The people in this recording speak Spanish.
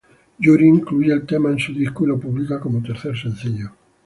Yuri incluye el tema en su disco y lo publica como tercer sencillo.